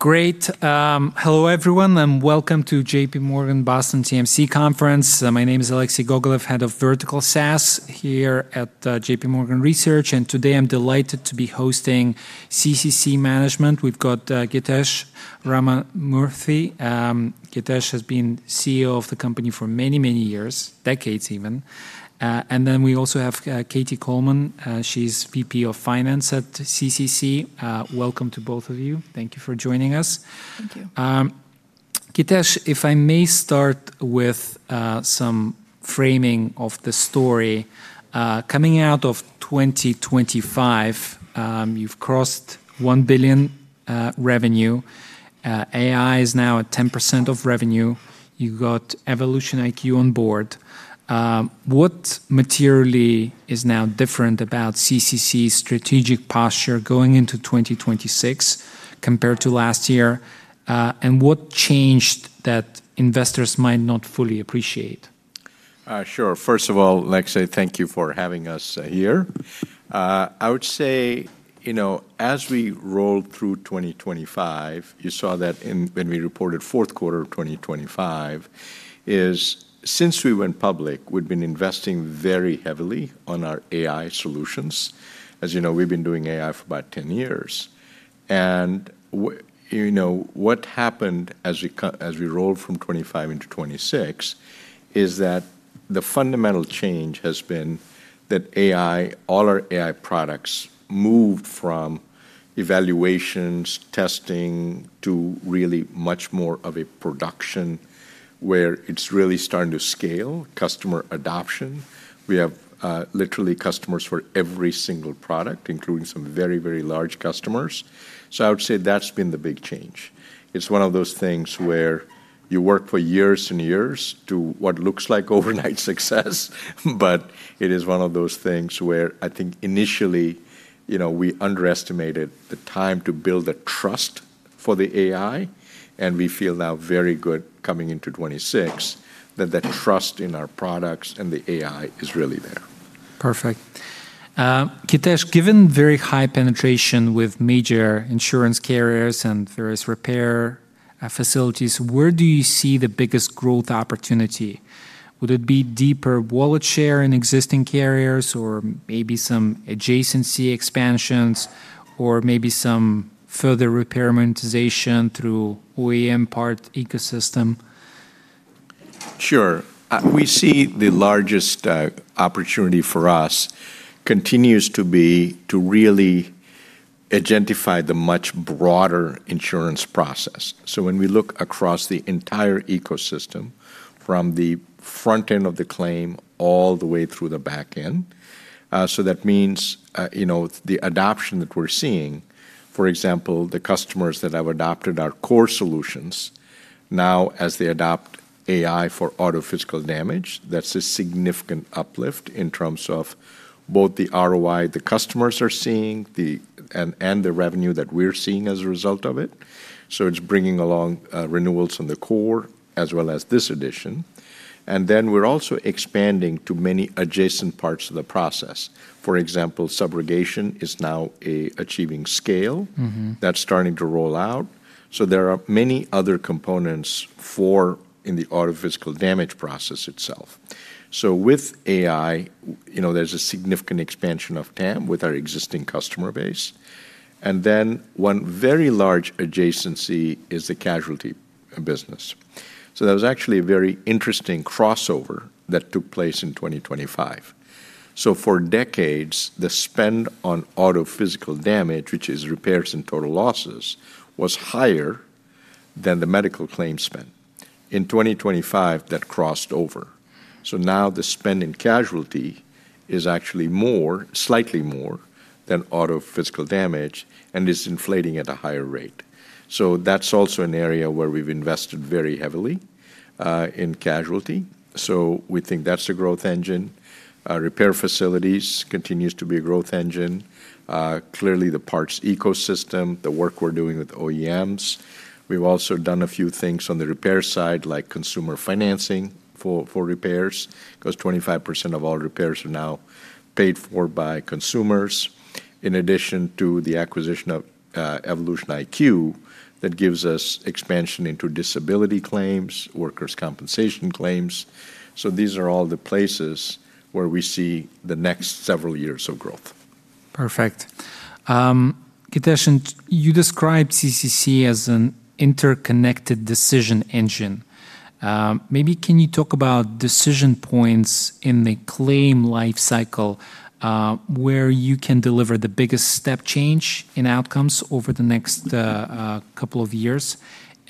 Great. Hello, everyone, and welcome to JPMorgan Boston TMC Conference. My name is Alexei Gogolev, Head of Vertical SaaS here at JPMorgan Research, and today I'm delighted to be hosting CCC management. We've got Githesh Ramamurthy. Githesh has been CEO of the company for many, many years, decades even. We also have Katie Coleman. She's vp of Finance at CCC. Welcome to both of you. Thank you for joining us. Thank you. Githesh, if I may start with some framing of the story. Coming out of 2025, you've crossed $1 billion revenue. AI is now at 10% of revenue. You got EvolutionIQ on board. What materially is now different about CCC's strategic posture going into 2026 compared to last year, and what changed that investors might not fully appreciate? Sure. First of all, Alexei, thank you for having us here. I would say, you know, as we rolled through 2025, you saw that when we reported fourth quarter of 2025, is since we went public, we've been investing very heavily on our AI solutions. As you know, we've been doing AI for about 10 years. You know, what happened as we rolled from 2025 into 2026 is that the fundamental change has been that AI, all our AI products moved from evaluations, testing to really much more of a production where it's really starting to scale customer adoption. We have literally customers for every single product, including some very, very large customers. I would say that's been the big change. It's one of those things where you work for years and years to what looks like overnight success. It is one of those things where I think initially, you know, we underestimated the time to build the trust for the AI. We feel now very good coming into 2026 that the trust in our products and the AI is really there. Perfect. Githesh, given very high penetration with major insurance carriers and various repair facilities, where do you see the biggest growth opportunity? Would it be deeper wallet share in existing carriers, or maybe some adjacency expansions, or maybe some further repair monetization through OEM part ecosystem? Sure. We see the largest opportunity for us continues to be to really identify the much broader insurance process. When we look across the entire ecosystem from the front end of the claim all the way through the back end, you know, the adoption that we're seeing, for example, the customers that have adopted our core solutions now as they adopt AI for auto physical damage, that's a significant uplift in terms of both the ROI the customers are seeing, and the revenue that we're seeing as a result of it. It's bringing along renewals on the core as well as this addition. Then we're also expanding to many adjacent parts of the process. For example, subrogation is now achieving scale. That's starting to roll out. There are many other components for in the auto physical damage process itself. With AI, you know, there's a significant expansion of TAM with our existing customer base. One very large adjacency is the casualty business. There was actually a very interesting crossover that took place in 2025. For decades, the spend on auto physical damage, which is repairs and total losses, was higher than the medical claim spend. In 2025, that crossed over. Now the spend in casualty is actually more, slightly more than auto physical damage and is inflating at a higher rate. That's also an area where we've invested very heavily in casualty. We think that's a growth engine. Repair facilities continues to be a growth engine. Clearly the parts ecosystem, the work we're doing with OEMs. We've also done a few things on the repair side, like consumer financing for repairs, 'cause 25% of all repairs are now paid for by consumers, in addition to the acquisition of EvolutionIQ, that gives us expansion into disability claims, workers' compensation claims. These are all the places where we see the next several years of growth. Perfect. Githesh, you describe CCC as an interconnected decision engine. Maybe can you talk about decision points in the claim life cycle, where you can deliver the biggest step change in outcomes over the next couple of years?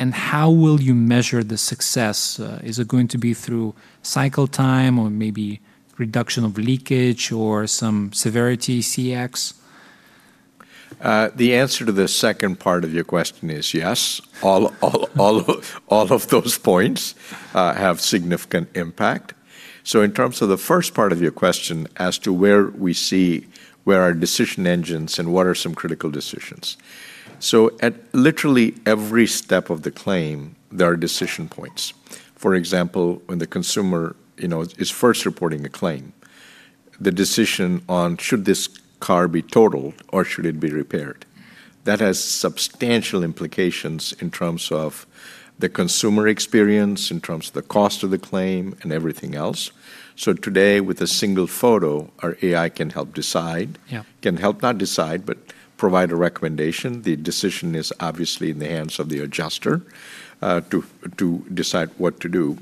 How will you measure the success? Is it going to be through cycle time or maybe reduction of leakage or some severity CX? The answer to the second part of your question is yes. All of those points have significant impact. In terms of the first part of your question as to where we see where are decision engines and what are some critical decisions. For example, when the consumer, you know, is first reporting the claim. The decision on should this car be totaled or should it be repaired. That has substantial implications in terms of the consumer experience, in terms of the cost of the claim, and everything else. Today, with a single photo, our AI can help decide. Yeah can help not decide, but provide a recommendation. The decision is obviously in the hands of the adjuster, to decide what to do.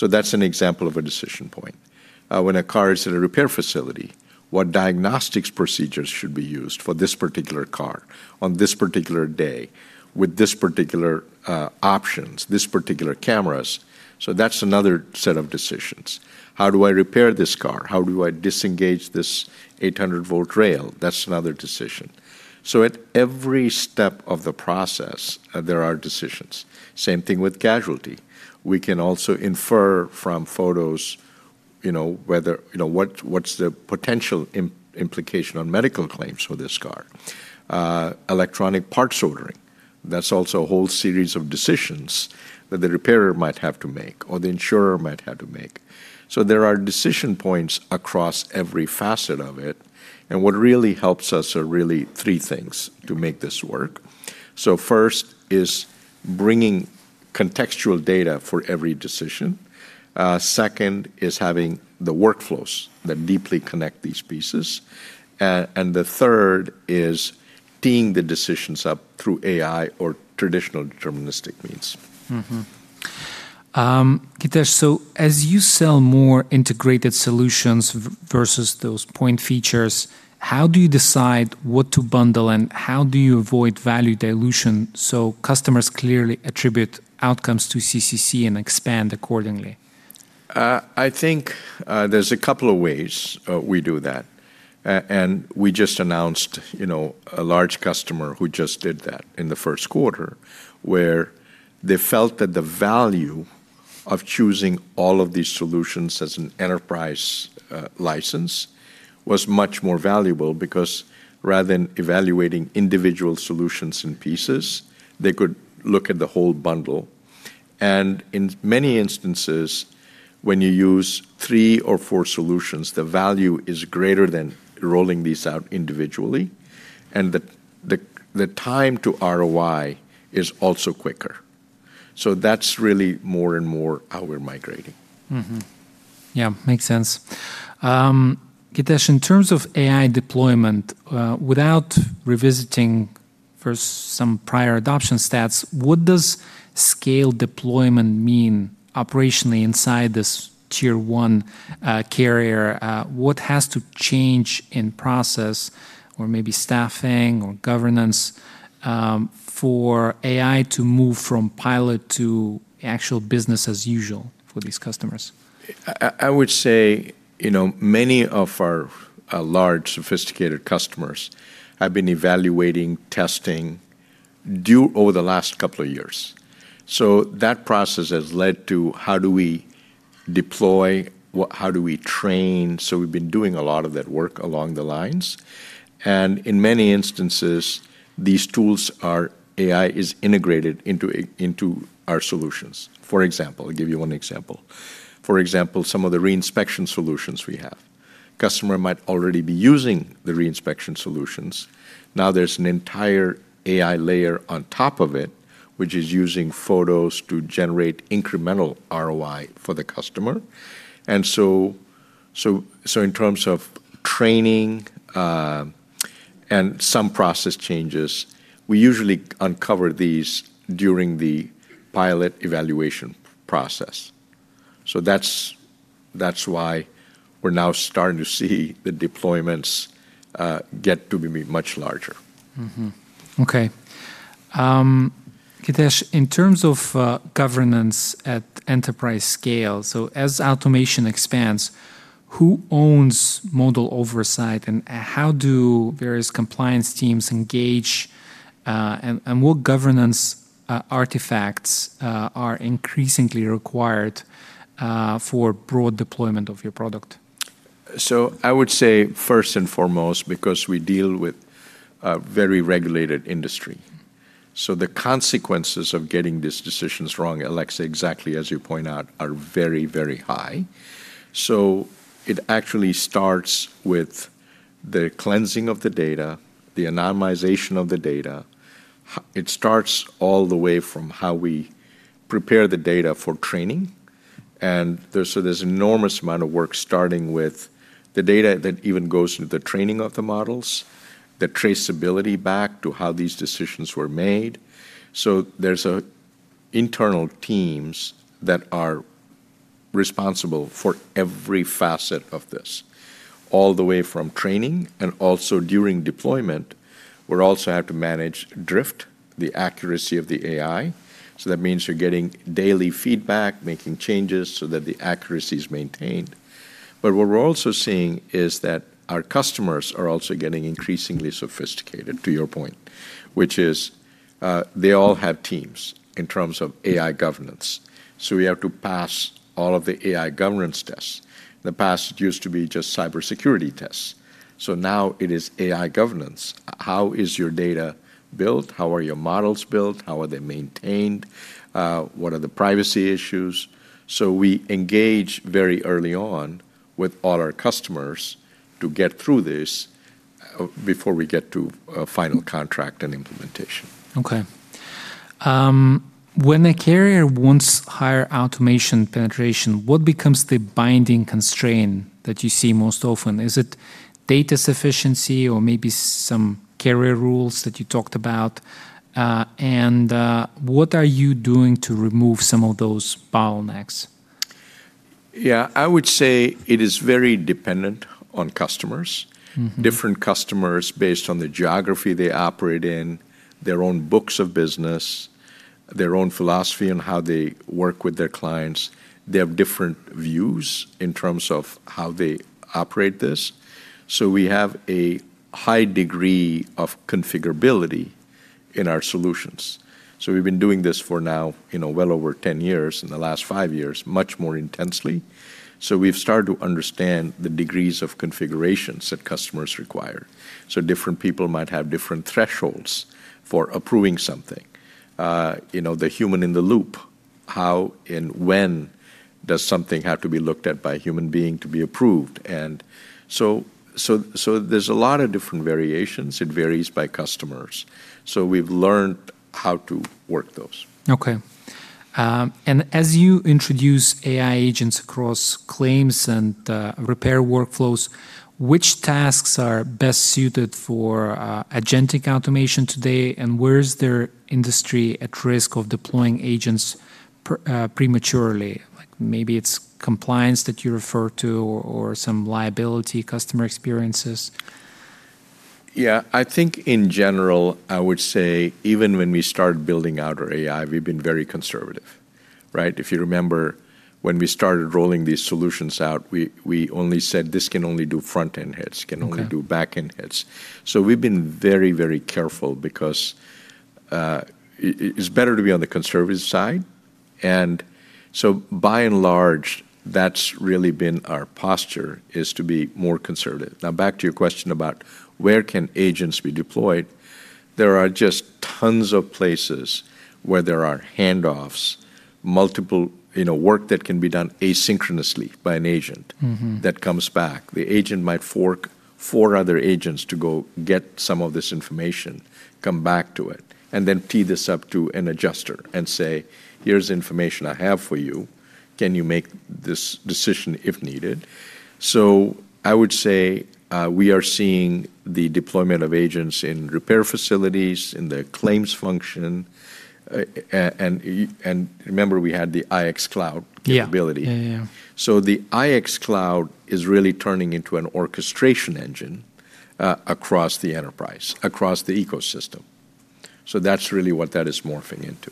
That's an example of a decision point. When a car is in a repair facility, what diagnostics procedures should be used for this particular car on this particular day with this particular options, these particular cameras. That's another set of decisions. How do I repair this car? How do I disengage this 800 volt rail? That's another decision. At every step of the process, there are decisions. Same thing with casualty. We can also infer from photos, you know, whether, you know, what's the potential implication on medical claims for this car. Electronic part ordering. That's also a whole series of decisions that the repairer might have to make or the insurer might have to make. There are decision points across every facet of it, and what really helps us are really three things to make this work. First is bringing contextual data for every decision. Second is having the workflows that deeply connect these pieces. The third is teeing the decisions up through AI or traditional deterministic means. Githesh, as you sell more integrated solutions versus those point features, how do you decide what to bundle, and how do you avoid value dilution so customers clearly attribute outcomes to CCC and expand accordingly? I think there's a couple of ways we do that. We just announced, you know, a large customer who just did that in the first quarter, where they felt that the value of choosing all of these solutions as an enterprise license was much more valuable because rather than evaluating individual solutions and pieces, they could look at the whole bundle. In many instances, when you use three or four solutions, the value is greater than rolling these out individually, and the time to ROI is also quicker. That's really more and more how we're migrating. Mm-hmm. Yeah, makes sense. Githesh, in terms of AI deployment, without revisiting first some prior adoption stats, what does scale deployment mean operationally inside this Tier 1 carrier? What has to change in process or maybe staffing or governance, for AI to move from pilot to actual business as usual for these customers? I would say, you know, many of our large sophisticated customers have been evaluating testing over the last couple of years. That process has led to how do we deploy, how do we train? We've been doing a lot of that work along the lines. In many instances, these tools are AI is integrated into our solutions. For example, I'll give you one example. For example, some of the re-inspection solutions we have. Customer might already be using the re-inspection solutions. Now there's an entire AI layer on top of it, which is using photos to generate incremental ROI for the customer. In terms of training, and some process changes, we usually uncover these during the pilot evaluation process. That's why we're now starting to see the deployments, get to be much larger. Mm-hmm. Okay. Githesh, in terms of governance at enterprise scale, so as automation expands, who owns model oversight, and how do various compliance teams engage, and what governance artifacts are increasingly required for broad deployment of your product? I would say first and foremost, because we deal with a very regulated industry, so the consequences of getting these decisions wrong, Alexei, exactly as you point out, are very, very high. It actually starts with the cleansing of the data, the anonymization of the data. It starts all the way from how we prepare the data for training. There's, so there's enormous amount of work starting with the data that even goes into the training of the models, the traceability back to how these decisions were made. There's internal teams that are responsible for every facet of this, all the way from training and also during deployment. We also have to manage drift, the accuracy of the AI. That means you're getting daily feedback, making changes so that the accuracy is maintained. What we're also seeing is that our customers are also getting increasingly sophisticated, to your point, which is, they all have teams in terms of AI governance. We have to pass all of the AI governance tests. In the past, it used to be just cybersecurity tests. Now it is AI governance. How is your data built? How are your models built? How are they maintained? What are the privacy issues? We engage very early on with all our customers to get through this before we get to a final contract and implementation. Okay. When a carrier wants higher automation penetration, what becomes the binding constraint that you see most often? Is it data sufficiency or maybe some carrier rules that you talked about? What are you doing to remove some of those bottlenecks? Yeah, I would say it is very dependent on customers. Different customers based on the geography they operate in, their own books of business, their own philosophy on how they work with their clients. They have different views in terms of how they operate this. We have a high degree of configurability in our solutions. We've been doing this for now, you know, well over 10 years, in the last five years, much more intensely. We've started to understand the degrees of configurations that customers require. Different people might have different thresholds for approving something. you know, the human in the loop, how and when does something have to be looked at by a human being to be approved? There's a lot of different variations. It varies by customers. We've learned how to work those. Okay. As you introduce AI agents across claims and repair workflows, which tasks are best suited for agentic automation today, and where is their industry at risk of deploying agents prematurely? Like maybe it's compliance that you refer to or some liability customer experiences. Yeah. I think in general, I would say even when we started building out our AI, we've been very conservative, right? If you remember, when we started rolling these solutions out, we only said, "This can only do front-end hits. Okay. Can only do back-end hits." We've been very, very careful because it's better to be on the conservative side. By and large, that's really been our posture, is to be more conservative. Back to your question about where can agents be deployed, there are just tons of places where there are handoffs, multiple, you know, work that can be done asynchronously by an agent. that comes back. The agent might fork four other agents to go get some of this information, come back to it, and then tee this up to an adjuster and say, "Here's the information I have for you. Can you make this decision if needed?" I would say, we are seeing the deployment of agents in repair facilities, in the claims function. Remember we had the IX Cloud capability. Yeah. Yeah, yeah. The IX Cloud is really turning into an orchestration engine across the enterprise, across the ecosystem. That's really what that is morphing into.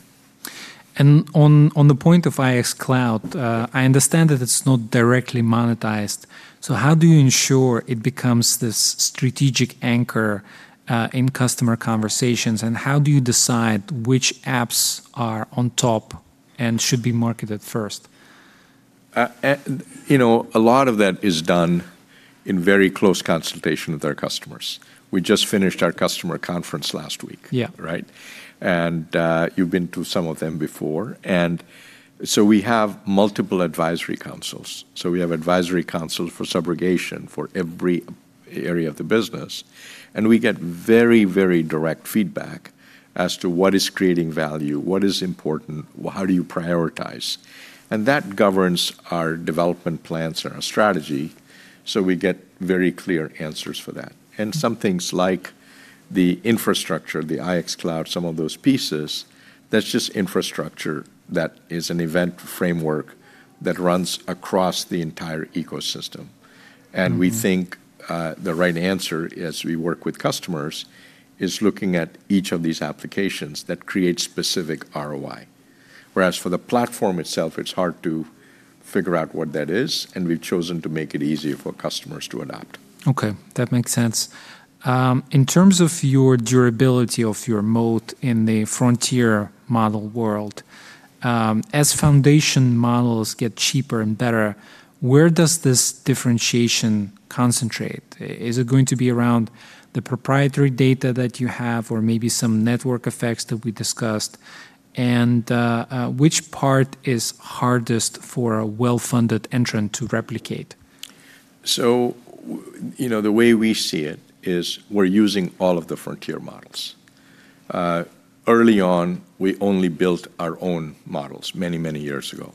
On the point of IX Cloud, I understand that it's not directly monetized, so how do you ensure it becomes this strategic anchor in customer conversations, and how do you decide which apps are on top and should be marketed first? you know, a lot of that is done in very close consultation with our customers. We just finished our customer conference last week. Yeah. Right? You've been to some of them before. We have multiple advisory councils. We have advisory councils for subrogation for every area of the business, and we get very, very direct feedback as to what is creating value, what is important, how do you prioritize. That governs our development plans and our strategy, so we get very clear answers for that. Some things like the infrastructure, the IX Cloud, some of those pieces, that's just infrastructure that is an event framework that runs across the entire ecosystem. We think, the right answer as we work with customers is looking at each of these applications that create specific ROI. Whereas for the platform itself, it's hard to figure out what that is, and we've chosen to make it easier for customers to adopt. Okay, that makes sense. In terms of your durability of your moat in the frontier model world, as foundation models get cheaper and better, where does this differentiation concentrate? Is it going to be around the proprietary data that you have or maybe some network effects that we discussed? Which part is hardest for a well-funded entrant to replicate? You know, the way we see it is we're using all of the frontier models. Early on, we only built our own models many, many years ago.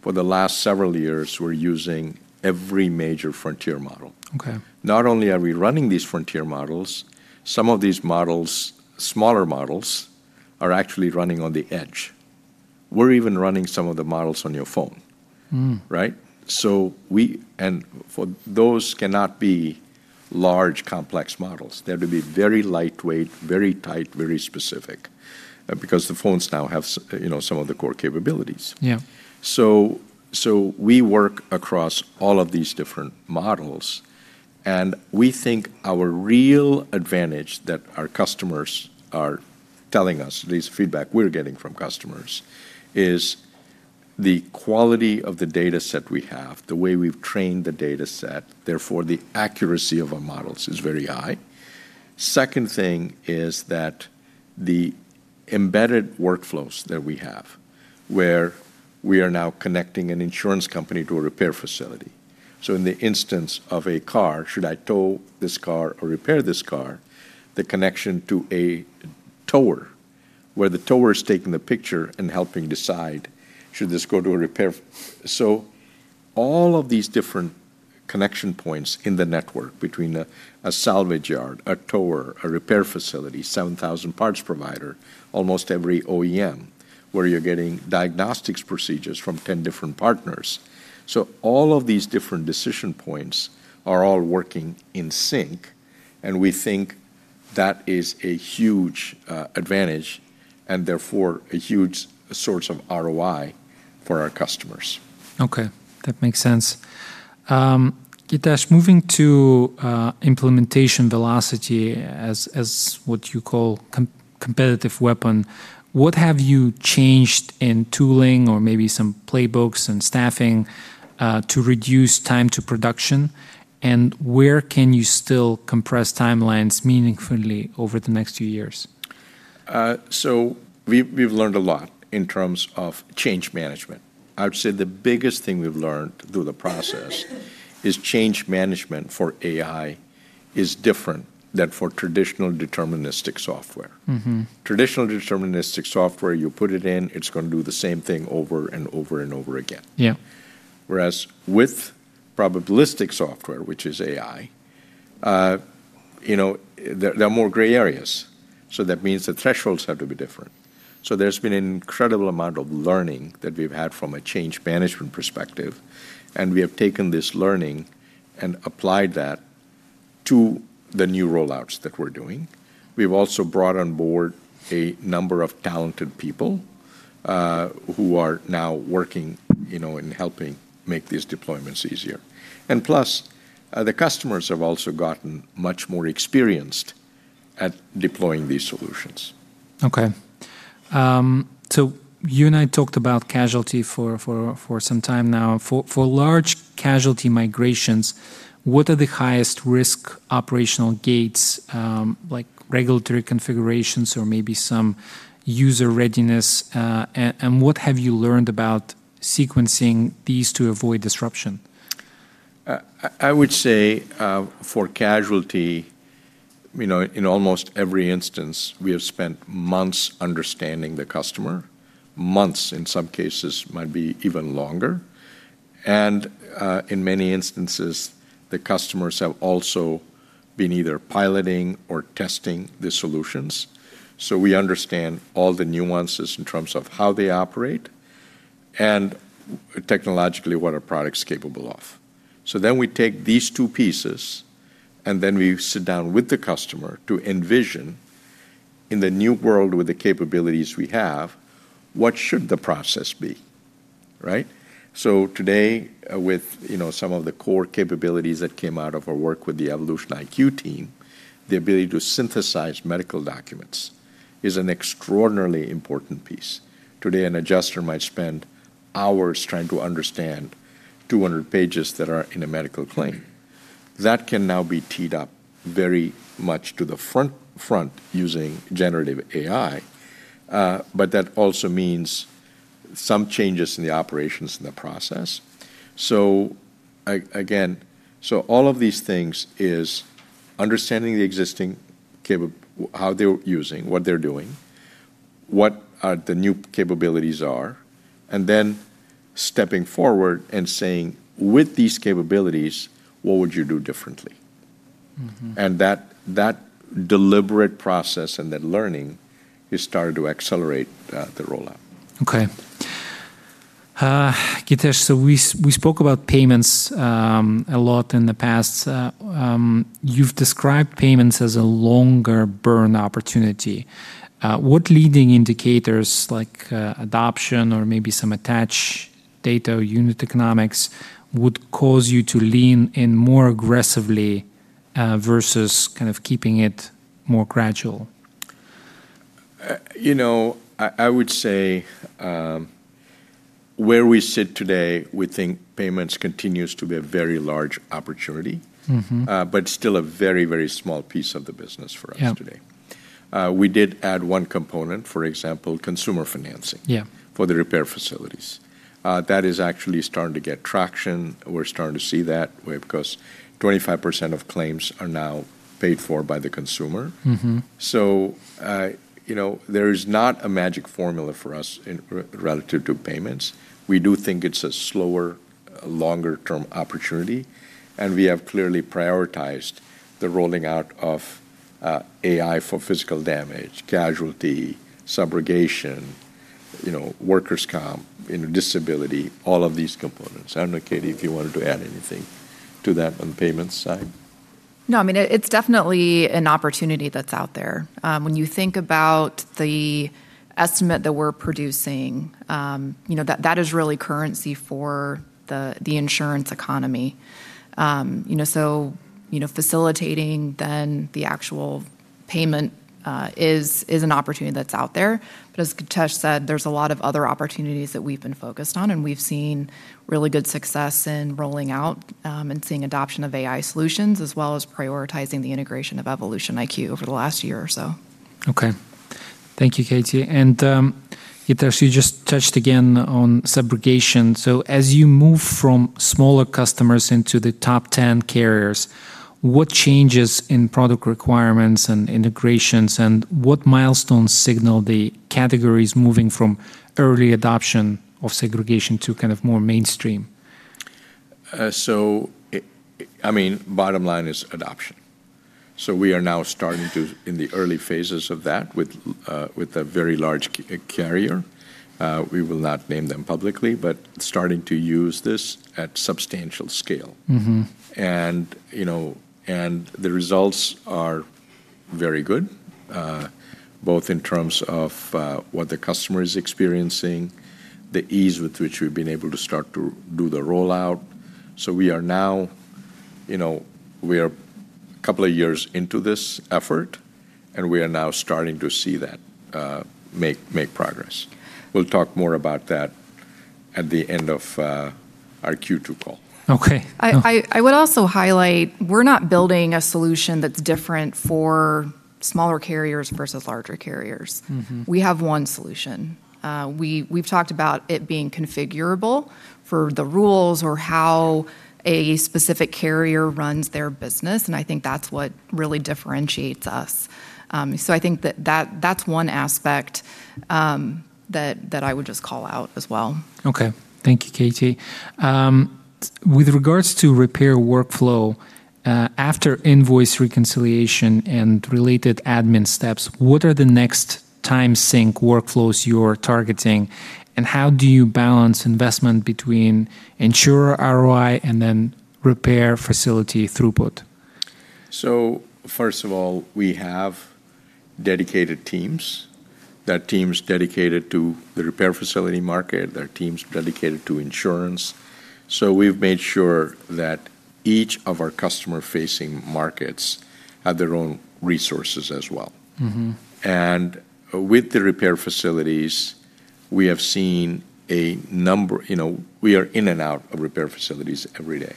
For the last several years, we're using every major frontier model. Okay. Not only are we running these frontier models, some of these models, smaller models, are actually running on the edge. We're even running some of the models on your phone. Right? For those cannot be large, complex models. They have to be very lightweight, very tight, very specific, because the phones now have you know, some of the core capabilities. Yeah. We work across all of these different models, and we think our real advantage that our customers are telling us, at least feedback we're getting from customers, is the quality of the dataset we have, the way we've trained the dataset, therefore the accuracy of our models is very high. Second thing is that the embedded workflows that we have, where we are now connecting an insurance company to a repair facility. In the instance of a car, should I tow this car or repair this car? The connection to a tower where the tower is taking the picture and helping decide should this go to a repair so all of these different connection points in the network between a salvage yard, a tower, a repair facility, 7,000 parts provider, almost every OEM, where you're getting diagnostics procedures from 10 different partners. All of these different decision points are all working in sync, and we think that is a huge advantage and therefore a huge source of ROI for our customers. Okay. That makes sense. Githesh, moving to implementation velocity as what you call competitive weapon, what have you changed in tooling or maybe some playbooks and staffing to reduce time to production? Where can you still compress timelines meaningfully over the next few years? We've learned a lot in terms of change management. I would say the biggest thing we've learned through the process is change management for AI is different than for traditional deterministic software. Traditional deterministic software, you put it in, it's gonna do the same thing over and over and over again. Yeah. With probabilistic software, which is AI, you know, there are more gray areas. That means the thresholds have to be different. There's been an incredible amount of learning that we've had from a change management perspective, and we have taken this learning and applied that to the new rollouts that we're doing. We've also brought on board a number of talented people, who are now working, you know, in helping make these deployments easier. Plus, the customers have also gotten much more experienced at deploying these solutions. Okay. You and I talked about casualty for some time now. For large casualty migrations, what are the highest risk operational gates, like regulatory configurations or maybe some user readiness, and what have you learned about sequencing these to avoid disruption? I would say, for casualty, you know, in almost every instance, we have spent months understanding the customer. Months, in some cases might be even longer. In many instances, the customers have also been either piloting or testing the solutions. We understand all the nuances in terms of how they operate and technologically what our product's capable of. We take these two pieces, and then we sit down with the customer to envision in the new world with the capabilities we have, what should the process be, right? Today, with, you know, some of the core capabilities that came out of our work with the EvolutionIQ team, the ability to synthesize medical documents is an extraordinarily important piece. Today, an adjuster might spend hours trying to understand 200 pages that are in a medical claim. That can now be teed up very much to the front using generative AI, but that also means some changes in the operations in the process. Again, so all of these things is understanding the existing capab- how they're using, what they're doing, what are the new capabilities are, and then stepping forward and saying, "With these capabilities, what would you do differently? That deliberate process and that learning has started to accelerate the rollout. Okay. Githesh, we spoke about payments, a lot in the past. You've described payments as a longer burn opportunity. What leading indicators like adoption or maybe some attach data unit economics would cause you to lean in more aggressively versus kind of keeping it more gradual? You know, I would say, where we sit today, we think payments continues to be a very large opportunity. Still a very, very small piece of the business for us. Yeah today. We did add one component, for example, consumer financing. Yeah for the repair facilities. That is actually starting to get traction. We're starting to see that where because 25% of claims are now paid for by the consumer. You know, there is not a magic formula for us relative to payments. We do think it's a slower, longer term opportunity, and we have clearly prioritized the rolling out of AI for physical damage, casualty, subrogation, you know, workers' comp, you know, disability, all of these components. I don't know, Katie, if you wanted to add anything to that on the payments side. No, I mean, it's definitely an opportunity that's out there. When you think about the estimate that we're producing, you know, that is really currency for the insurance economy. You know, facilitating then the actual payment is an opportunity that's out there. As Githesh said, there's a lot of other opportunities that we've been focused on, and we've seen really good success in rolling out and seeing adoption of AI solutions as well as prioritizing the integration of EvolutionIQ over the last year or so. Okay. Thank you, Katie. Githesh, you just touched again on subrogation. As you move from smaller customers into the top 10 carriers, what changes in product requirements and integrations, and what milestones signal the categories moving from early adoption of subrogation to more mainstream? I mean, bottom line is adoption. We are now starting to, in the early phases of that with a very large carrier. We will not name them publicly, but starting to use this at substantial scale. You know, and the results are very good, both in terms of what the customer is experiencing, the ease with which we've been able to start to do the rollout. We are now, you know, we are a couple of years into this effort, and we are now starting to see that make progress. We'll talk more about that at the end of our Q2 call. Okay. I would also highlight we're not building a solution that's different for smaller carriers versus larger carriers. We have one solution. We've talked about it being configurable for the rules or how a specific carrier runs their business, I think that's what really differentiates us. I think that's one aspect that I would just call out as well. Okay. Thank you, Katie. With regards to repair workflow, after invoice reconciliation and related admin steps, what are the next time sync workflows you're targeting, and how do you balance investment between insurer ROI and then repair facility throughput? First of all, we have dedicated teams. There are teams dedicated to the repair facility market. There are teams dedicated to insurance. We've made sure that each of our customer-facing markets have their own resources as well. With the repair facilities, you know, we are in and out of repair facilities every day.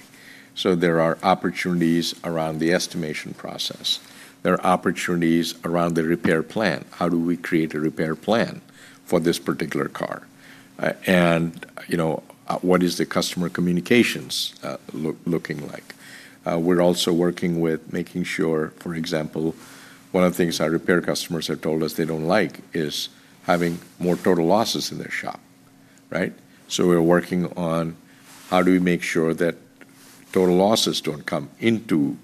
There are opportunities around the estimation process. There are opportunities around the repair plan. How do we create a repair plan for this particular car? You know, what is the customer communications looking like? We're also working with making sure, for example, one of the things our repair customers have told us they don't like is having more total losses in their shop, right? We're working on how do we make sure that total losses don't come into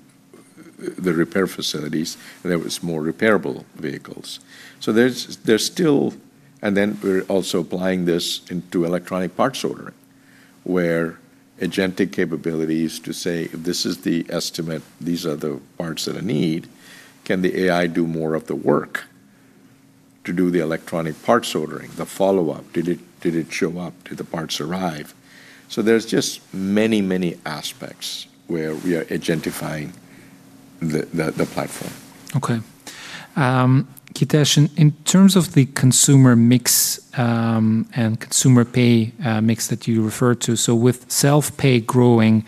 the repair facilities, and there was more repairable vehicles. There's still. We're also applying this into electronic parts ordering, where agentic capabilities to say, "If this is the estimate, these are the parts that I need. Can the AI do more of the work to do the electronic parts ordering, the follow-up? Did it show up? Do the parts arrive? There's just many, many aspects where we are agentifying the platform. Okay. Githesh, in terms of the consumer mix, and consumer pay mix that you referred to, with self-pay growing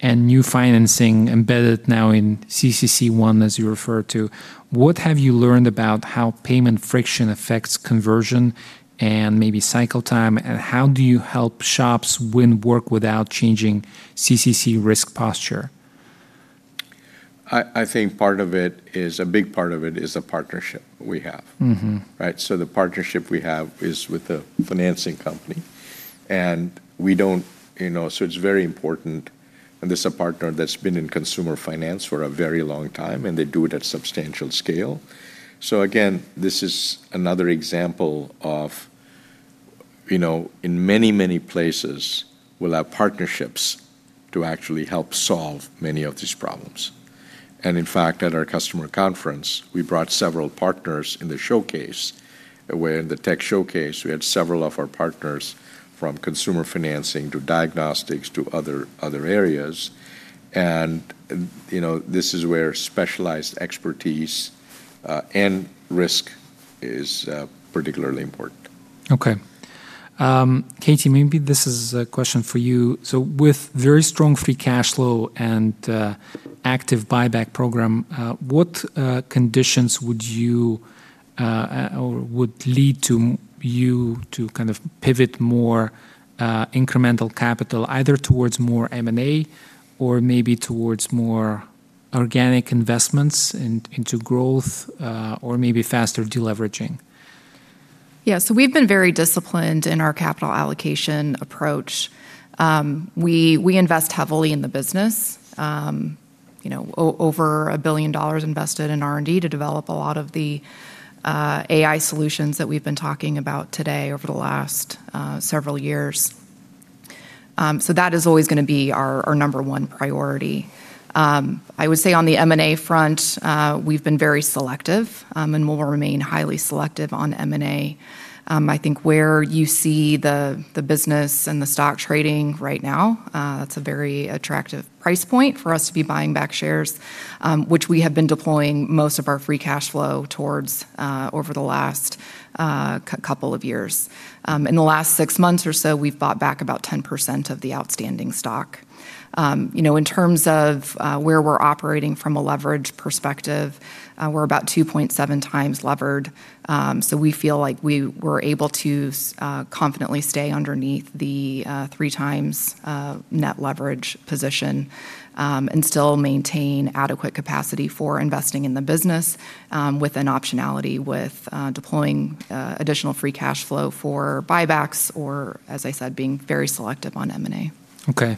and new financing embedded now in CCC ONE, as you referred to, what have you learned about how payment friction affects conversion and maybe cycle time, and how do you help shops win work without changing CCC risk posture? I think part of it is a big part of it is the partnership we have. Right? The partnership we have is with a financing company. It's very important, and this a partner that's been in consumer finance for a very long time, and they do it at substantial scale. Again, this is another example of, you know, in many, many places, we'll have partnerships to actually help solve many of these problems. In fact, at our customer conference, we brought several partners in the showcase, where in the tech showcase, we had several of our partners from consumer financing to diagnostics to other areas. You know, this is where specialized expertise and risk is particularly important. Okay. Katie, maybe this is a question for you. With very strong free cash flow and active buyback program, what conditions would you or would lead to you to kind of pivot more incremental capital either towards more M&A or maybe towards more organic investments into growth or maybe faster deleveraging? Yeah. We've been very disciplined in our capital allocation approach. We invest heavily in the business. You know, over $1 billion invested in R&D to develop a lot of the AI solutions that we've been talking about today over the last several years. That is always gonna be our number one priority. I would say on the M&A front, we've been very selective and will remain highly selective on M&A. I think where you see the business and the stock trading right now, it's a very attractive price point for us to be buying back shares, which we have been deploying most of our free cash flow towards over the last couple of years. In the last six months or so, we've bought back about 10% of the outstanding stock. You know, in terms of where we're operating from a leverage perspective, we're about 2.7x levered. We feel like we're able to confidently stay underneath the 3x net leverage position and still maintain adequate capacity for investing in the business with an optionality with deploying additional free cash flow for buybacks or, as I said, being very selective on M&A. Okay.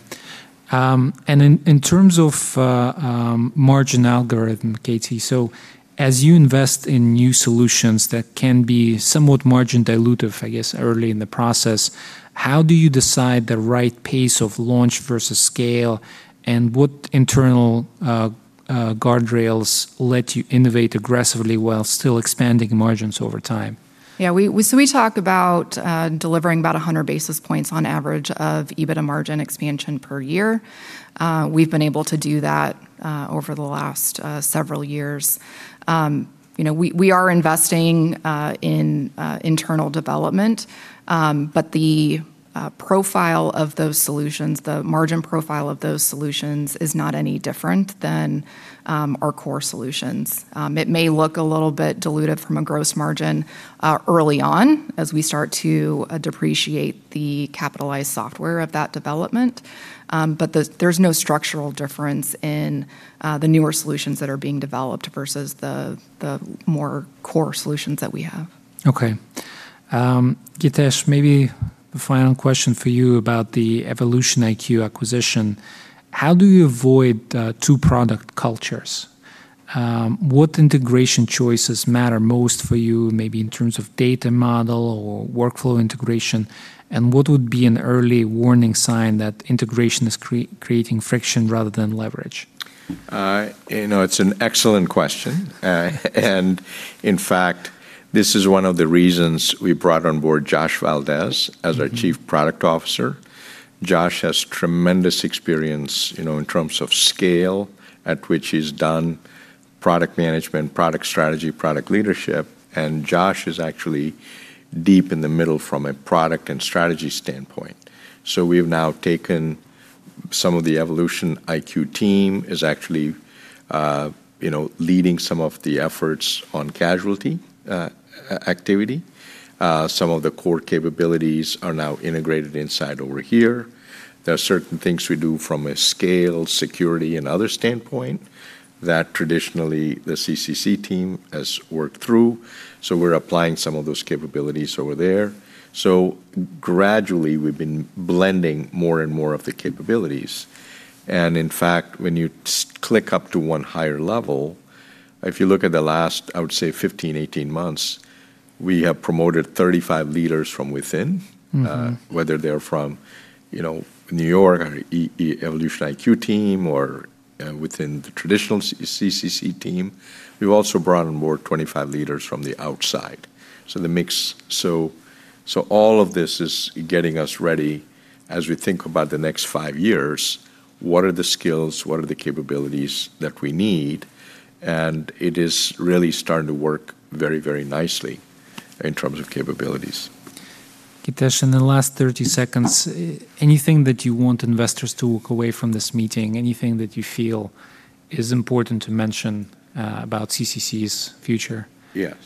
In terms of margin algorithm, Katie, so as you invest in new solutions that can be somewhat margin dilutive, I guess, early in the process, how do you decide the right pace of launch versus scale? What internal guardrails let you innovate aggressively while still expanding margins over time? We talk about delivering about 100 basis points on average of EBITDA margin expansion per year. We've been able to do that over the last several years. You know, we are investing in internal development, but the profile of those solutions, the margin profile of those solutions is not any different than our core solutions. It may look a little bit dilutive from a gross margin early on as we start to depreciate the capitalized software of that development. There's no structural difference in the newer solutions that are being developed versus the more core solutions that we have. Okay. Githesh, maybe a final question for you about the EvolutionIQ acquisition. How do you avoid two product cultures? What integration choices matter most for you, maybe in terms of data model or workflow integration? What would be an early warning sign that integration is creating friction rather than leverage? You know, it's an excellent question. In fact, this is one of the reasons we brought on board Josh Valdez as our Chief Product Officer. Josh has tremendous experience, you know, in terms of scale at which he's done product management, product strategy, product leadership, and Josh is actually deep in the middle from a product and strategy standpoint. We've now taken some of the EvolutionIQ team is actually, you know, leading some of the efforts on casualty activity. Some of the core capabilities are now integrated inside over here. There are certain things we do from a scale, security, and other standpoint that traditionally the CCC team has worked through. We're applying some of those capabilities over there. Gradually, we've been blending more and more of the capabilities and in fact, when you click up to 1 higher level, if you look at the last, I would say 15, 18 months, we have promoted 35 leaders from within. whether they're from, you know, New York or EvolutionIQ team or within the traditional CCC team. We've also brought on board 25 leaders from the outside. The mix So all of this is getting us ready as we think about the next five years, what are the skills, what are the capabilities that we need? It is really starting to work very, very nicely in terms of capabilities. Githesh, in the last 30 seconds, anything that you want investors to walk away from this meeting? Anything that you feel is important to mention about CCC's future? Yes.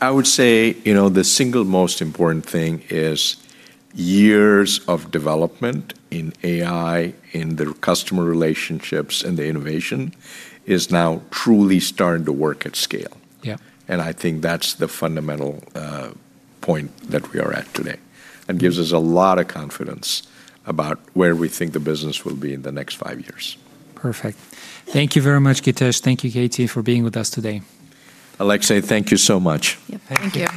I would say, you know, the single most important thing is years of development in AI, in the customer relationships and the innovation is now truly starting to work at scale. Yeah. I think that's the fundamental point that we are at today, and gives us a lot of confidence about where we think the business will be in the next five years. Perfect. Thank you very much, Githesh. Thank you, Katie, for being with us today. Alexei, thank you so much. Yep. Thank you.